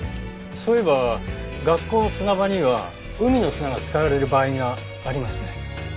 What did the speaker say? そういえば学校の砂場には海の砂が使われる場合がありますね。